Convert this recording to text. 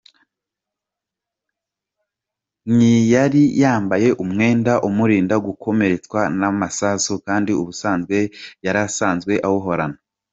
ntiyari yambaye umwenda umurinda gukomeretswa n’amasasu kandi ubusanzwe yarasanzwe awuhorana.